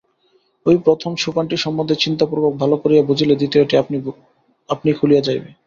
ঐ প্রথম সোপানটির সম্বন্ধে চিন্তাপূর্বক ভাল করিয়া বুঝিলে দ্বিতীয়টি আপনিই খুলিয়া যাইবে।